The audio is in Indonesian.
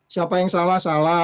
siapa yang salah salah